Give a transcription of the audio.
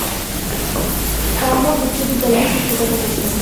তার মা উচ্চ বিদ্যালয়ে শিক্ষকতা করতেন।